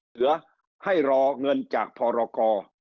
เหลือให้รอเงินจากพรกร